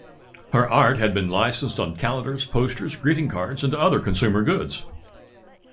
Her art has been licensed on calendars, posters, greeting cards, and other consumer goods.